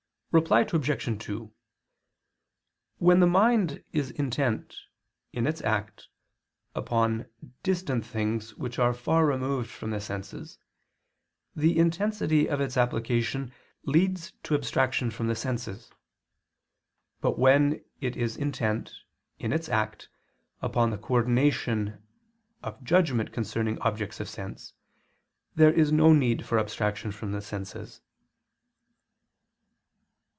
Reply Obj. 2: When the mind is intent, in its act, upon distant things which are far removed from the senses, the intensity of its application leads to abstraction from the senses; but when it is intent, in its act, upon the coordination of or judgment concerning objects of sense, there is no need for abstraction from the senses.